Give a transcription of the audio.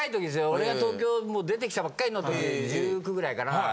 俺が東京出てきたばっかりの時１９ぐらいかな。